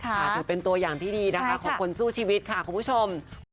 ถือเป็นตัวอย่างที่ดีนะคะของคนสู้ชีวิตค่ะคุณผู้ชม